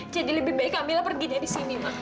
jadi lebih baik kamilah pergi dari sini ma